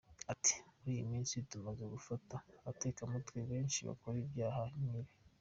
Ati:” Muri iyi minsi tumaze gufata abatekamitwe benshi bakora icyaha nk’iki.